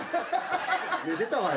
寝てたわよ。